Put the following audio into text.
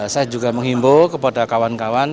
saya juga menghimbau kepada kawan kawan